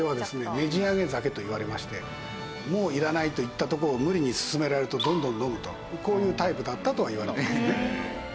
ねじあげ酒といわれましてもういらないと言ったところを無理に勧められるとどんどん飲むとこういうタイプだったといわれて。